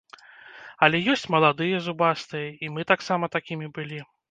Але ёсць маладыя зубастыя, і мы таксама такімі былі.